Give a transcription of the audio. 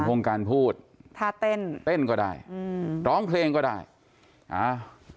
วงการพูดถ้าเต้นเต้นก็ได้อืมร้องเพลงก็ได้อ่า